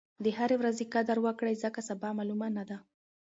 د هرې ورځې قدر وکړئ ځکه سبا معلومه نه ده.